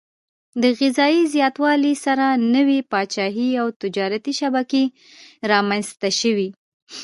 د غذايي زیاتوالي سره نوي پاچاهي او تجارتي شبکې رامنځته شوې.